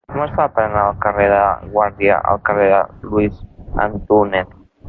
Com es fa per anar del carrer de Guàrdia al carrer de Luis Antúnez?